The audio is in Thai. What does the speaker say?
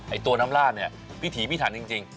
ไอ้ตัวน้ำล่านี่พิธีมิถันจริง